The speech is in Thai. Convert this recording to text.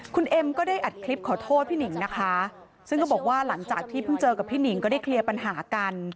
คุณเอ็มก็ได้อัดคลิปขอโทษพี่หนิงนะคะซึ่งก็บอกว่าหลังจากที่เพิ่งเจอกับพี่หนิงก็ได้เคลียร์ปัญหากัน